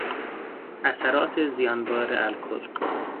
اثرات زیانبار الکل